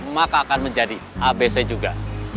maka akan menjadi abc juga